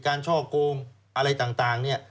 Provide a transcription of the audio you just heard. การช่อโกงอะไรต่าง